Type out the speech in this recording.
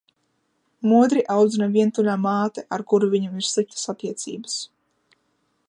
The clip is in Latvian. Modri audzina vientuļā māte, ar kuru viņam ir sliktas attiecības.